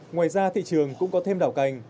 ngoài ra thị trường cũng có thêm đào cành